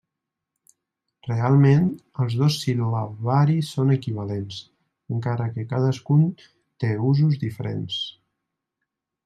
Realment, els dos sil·labaris són equivalents, encara que cadascun té usos diferents.